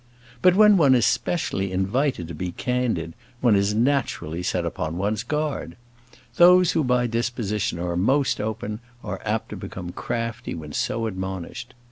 But when one is specially invited to be candid, one is naturally set upon one's guard. Those who by disposition are most open, are apt to become crafty when so admonished.